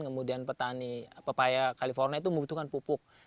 kemudian petani papaya california dan juga petani perlindungan